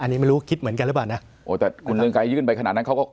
อันนี้ไม่รู้คิดเหมือนกันหรือเปล่านะโอ้แต่คุณเรืองไกรยื่นไปขนาดนั้นเขาก็